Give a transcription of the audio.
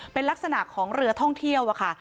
เป็นลักษณะของเรือท่องเที่ยวค่ะ